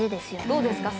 どうですか？